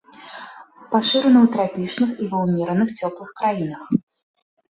Пашыраны ў трапічных і ва ўмераных цёплых краінах.